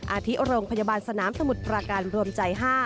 อาทิโรงพยาบาลสนามสมุทรประการรวมใจ๕